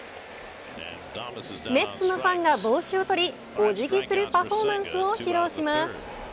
メッツのファンが帽子を取りお辞儀するパフォーマンスを披露します。